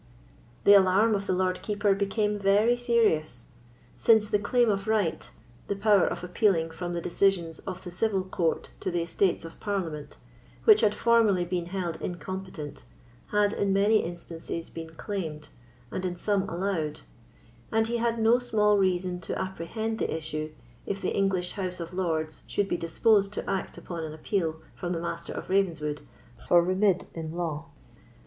The alarm of the Lord Keeper became very serious; since the Claim of Right, the power of appealing from the decisions of the civil court to the Estates of Parliament, which had formerly been held incompetent, had in many instances been claimed, and in some allowed, and he had no small reason to apprehend the issue, if the English House of Lords should be disposed to act upon an appeal from the Master of Ravenswood "for remeid in law."